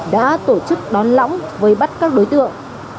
đã tổ chức đón lõng với bắt các đối tượng